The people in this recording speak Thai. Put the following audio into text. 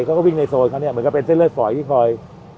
เขาก็วิ่งในโซนเขาเนี่ยเหมือนกับเป็นเส้นเลือดฝอยที่คอย